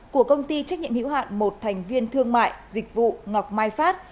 của công ty trách nhiệm hữu hạn một thành viên thương mại dịch vụ ngọc mai phát